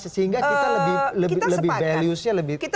sehingga kita lebih values nya lebih